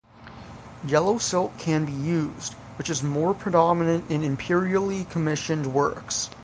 Yellow silk can be used, which is more predominant in imperially commissioned works.